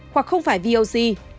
hoặc không phải voc